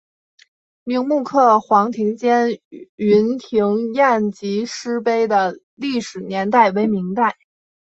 明摹刻黄庭坚云亭宴集诗碑的历史年代为明代。